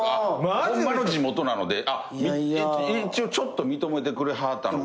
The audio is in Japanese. ホンマの地元なのであっ一応ちょっと認めてくれはったのかなっていう。